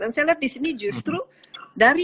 dan saya lihat di sini justru dari